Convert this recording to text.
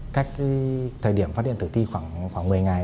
cách thời điểm phát hiện thử thi khoảng một mươi ngày